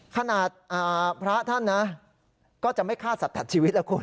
ขนาดพระท่านนะก็จะไม่ฆ่าสัตว์ตัดชีวิตแล้วคุณ